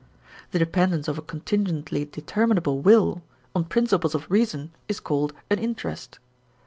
The dependence of a contingently determinable will on principles of reason is called an interest.